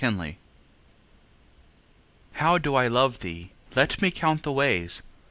XLIII How do I love thee? Let me count the ways.